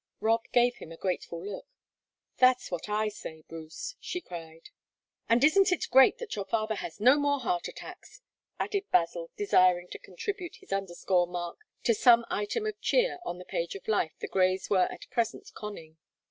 Rob gave him a grateful look. "That's what I say, Bruce!" she cried. "And isn't it great that your father has no more heart attacks?" added Basil, desiring to contribute his underscore mark to some item of cheer on the page of life the Greys were at present conning.